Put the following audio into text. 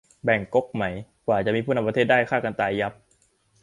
แบ่งก๊กไหม กว่าจะมีผู้นำประเทศได้ฆ่ากันตายยับ